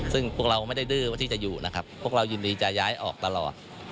ซึ่งพวกเราไม่ได้ดื้อว่าที่จะอยู่นะครับพวกเรายินดีจะย้ายออกตลอด